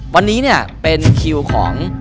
วันนี้เนี่ยเป็นคิวของ